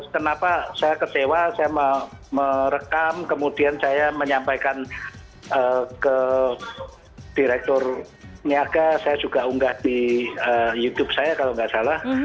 kenapa saya kecewa saya merekam kemudian saya menyampaikan ke direktur niaga saya juga unggah di youtube saya kalau nggak salah